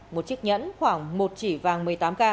một chiếc nhẫn khoảng một chỉ vàng một mươi tám k